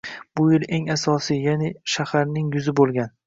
Bu yil eng asosiy, yaʼni shaharning yuzi boʻlgan.